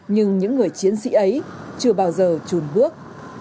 nhưng những người chiến sĩ ấy chưa bao giờ trùn bước